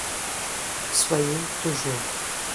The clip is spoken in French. Soyez toujours